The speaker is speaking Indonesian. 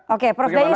oke pak fdayus